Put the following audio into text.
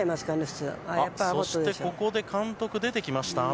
そして、ここでアメリカ監督が出てきました。